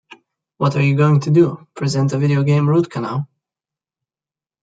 What are you going to do, present a video game root canal?